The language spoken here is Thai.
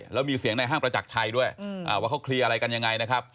แล้วมีเสียงในห้างประจักรชัยด้วยว่าเขาเคลียร์อะไรกันยังไงนะครับ